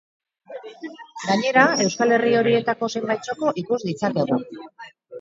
Gainera, euskal herri horietako zenbait txoko ikus ditzakegu.